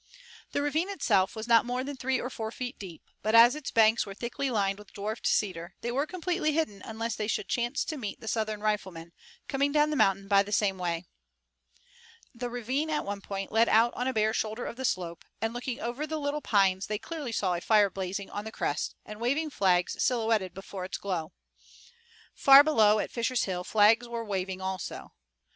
The ravine itself was not more than three or four feet deep, but as its banks were thickly lined with dwarfed cedar they were completely hidden unless they should chance to meet the Southern riflemen, coming down the mountain by the same way. The ravine at one point led out on a bare shoulder of the slope, and looking over the little pines they clearly saw a fire blazing on the crest and waving flags silhouetted before its glow. Far below, at Fisher's Hill, flags were waving also.